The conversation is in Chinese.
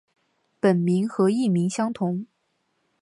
本名和艺名相同。